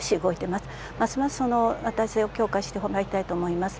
ますます私は強化してもらいたいと思います。